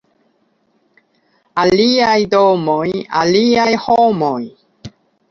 Aliaj domoj, aliaj homoj.